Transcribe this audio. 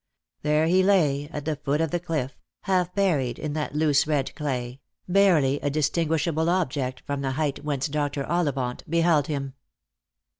There he lay at the foot of the cliff, half buried in that loose red clay, barely a distinguishable object from the height whence Dr. Ollivant beheld him.